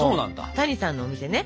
谷さんのお店ね